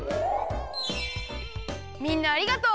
みんなありがとう！